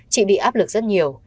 chị bị áp lực rất nhiều